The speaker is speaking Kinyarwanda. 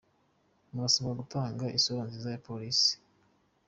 Murasabwa gutanga isura nziza ya polisi”.